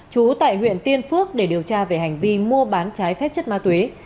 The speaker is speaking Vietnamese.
chú tại huyện tiên phước để điều tra về hành vi mua bán trái phép chất ma túy